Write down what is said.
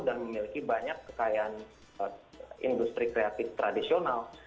dan memiliki banyak kekayaan industri kreatif tradisional